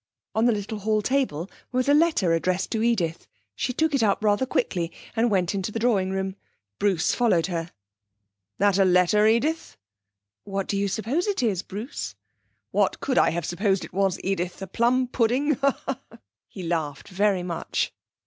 On the little hall table was a letter addressed to Edith. She took it up rather quickly, and went into the drawing room. Bruce followed her. 'That a letter, Edith?' 'What do you suppose it is, Bruce?' 'What could I have supposed it was, Edith? A plum pudding?' He laughed very much.